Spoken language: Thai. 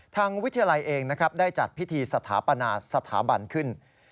ทางวิทยาลัยเองนะครับได้จัดพิธีสถาปนาสถาบันขึ้น